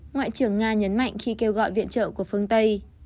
ngoại trưởng nga nhấn mạnh khi kêu gọi viện trợ của phương tây